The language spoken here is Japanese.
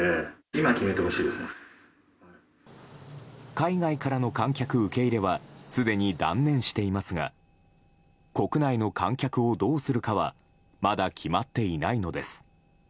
海外からの観客受け入れはすでに断念していますが国内の観客をどうするかはまだ決まっていないのです。